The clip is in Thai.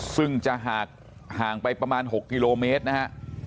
ซึ่งจะห่างไปประมาณ๖กิโลเมตรนะฮะ